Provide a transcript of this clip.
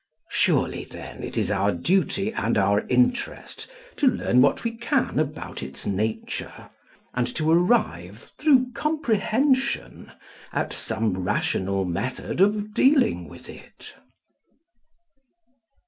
Surely, then, it is our duty and our interest to learn what we can about its nature, and to arrive through comprehension at some rational method of dealing with it.